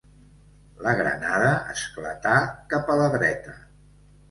La granada esclatà cap a la dreta